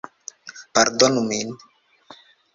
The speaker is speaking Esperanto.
Pardonu min.